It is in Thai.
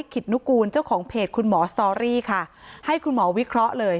ิตนุกูลเจ้าของเพจคุณหมอสตอรี่ค่ะให้คุณหมอวิเคราะห์เลย